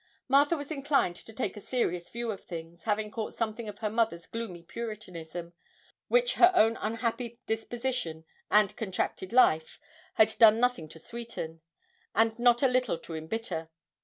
Martha was inclined to take a serious view of things, having caught something of her mother's gloomy Puritanism, which her own unhappy disposition and contracted life had done nothing to sweeten, and not a little to embitter.